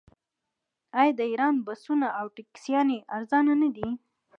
آیا د ایران بسونه او ټکسیانې ارزانه نه دي؟